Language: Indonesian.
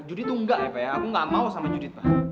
yudit tuh enggak ya pak ya aku enggak mau sama yudit pak